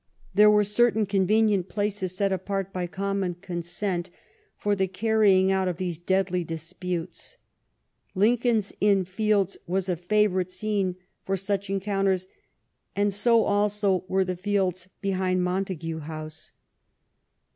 There were certain convenient places set apart by common consent for the carrying out of these deadly disputes. Lincoln's Inn Fields was a favorite scene for such encounters, and 80 also were the fields behind Montague House.